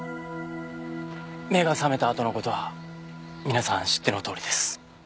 目が覚めたあとの事は皆さん知ってのとおりです。